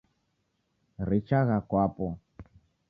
Richagha kwapo